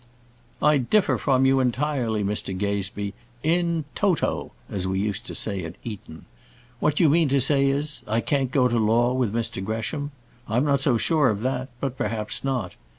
"I differ from you entirely, Mr Gazebee; in toto, as we used to say at Eton. What you mean to say is I can't go to law with Mr Gresham; I'm not so sure of that; but perhaps not.